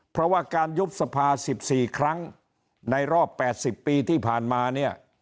เพราะว่าการยุบสภา๑๔ครั้งในรอบ๘๐ปีที่ผ่านมาเนี่ย